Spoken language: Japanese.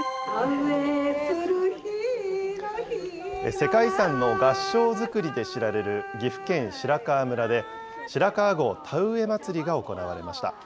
世界遺産の合掌造りで知られる岐阜県白川村で、白川郷田植え祭りが行われました。